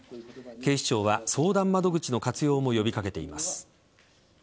警視庁は、相談窓口の活用も呼び掛けています。